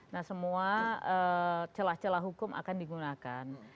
nah semua celah celah hukum akan digunakan